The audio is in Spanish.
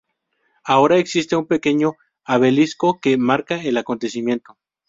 Ahora existe un pequeño obelisco que marca el acontecimiento.